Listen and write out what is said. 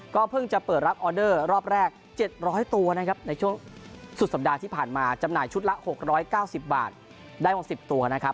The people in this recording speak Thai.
เพิ่งจะเปิดรับออเดอร์รอบแรก๗๐๐ตัวนะครับในช่วงสุดสัปดาห์ที่ผ่านมาจำหน่ายชุดละ๖๙๐บาทได้หมด๑๐ตัวนะครับ